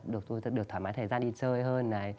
được thoải mái thời gian đi chơi hơn